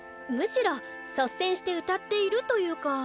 むしろ率先して歌っているというか。